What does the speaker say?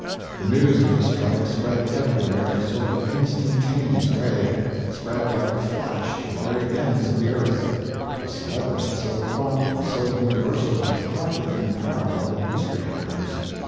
The news of the strike spread everywhere in a sort of instantaneous way spread like a flash to the very ends of the earth. A celebrity so prompt and so universal has hardly been paralleled in history, perhaps.